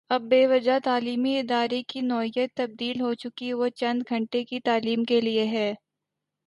اب بوجوہ تعلیمی ادارے کی نوعیت تبدیل ہو چکی وہ چند گھنٹے کی تعلیم کے لیے ہے۔